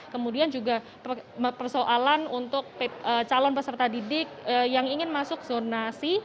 kemudian juga persoalan untuk calon peserta didik yang ingin masuk zonasi